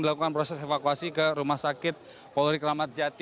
dilakukan proses evakuasi ke rumah sakit polri kramat jati